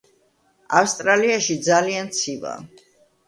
ავსტრალიაში ძალიან ცივა